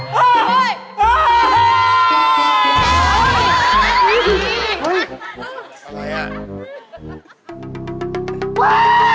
เป็นอะไรน่ะ